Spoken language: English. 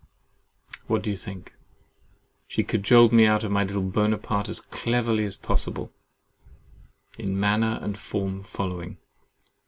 What do you think? She cajoled me out of my little Buonaparte as cleverly as possible, in manner and form following.